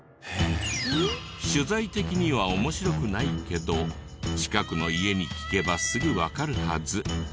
取材的には面白くないけど近くの家に聞けばすぐわかるはず。